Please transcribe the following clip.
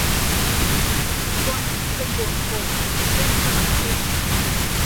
กลบทกบเต้นสลักเพชร